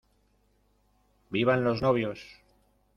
¡Vivan los novios!